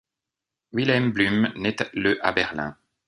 Wilhelm Bluhm naît le à Berlin.